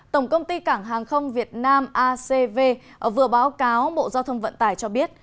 tổng công ty cảng hàng không việt nam acv vừa báo cáo bộ giao thông vận tải cho biết